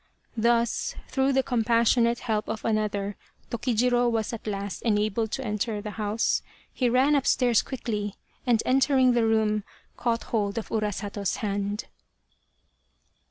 Thus, through the compassionate help of another, Tokijiro was at last enabled to enter the house. He ran upstairs quickly, and entering the room, caught hold of Urasato's hand.